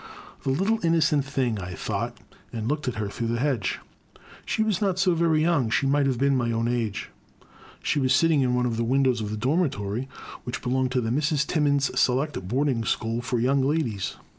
The little innocent thing," I thought, and looked at her through the hedge. She was not so very young; she might have been my own age. She was sitting in one of the windows of the dormitory which belonged to the Misses Timmins' Select Boarding school for Young Ladies